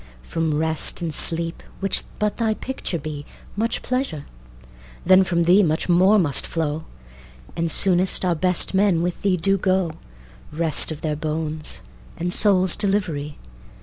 From Rest and Sleep, which but thy picture be, Much pleasure, then from thee much more must flow; And soonest our best men with thee do go Rest of their bones and souls' delivery!